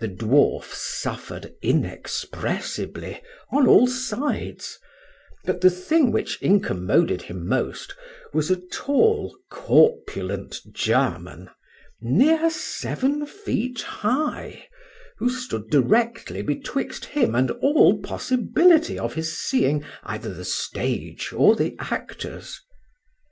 The dwarf suffered inexpressibly on all sides; but the thing which incommoded him most, was a tall corpulent German, near seven feet high, who stood directly betwixt him and all possibility of his seeing either the stage or the actors.